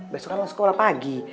besok kan lu sekolah pagi